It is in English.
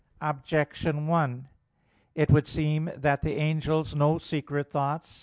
Objection 1: It would seem that the angels know secret thoughts.